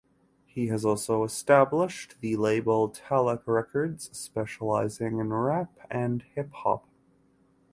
He has also established the label Tallac Records specializing in rap and hip-hop.